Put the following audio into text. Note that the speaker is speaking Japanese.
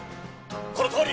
このとおり！